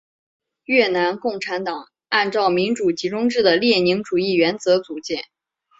越南共产党按照民主集中制的列宁主义原则组建。